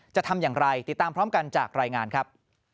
จะทำอย่างไรติดตามพร้อมกันจากรายงานครับ